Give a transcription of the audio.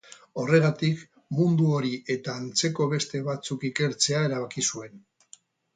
Horregatik, mundu hori eta antzeko beste batzuk ikertzea erabaki zuen.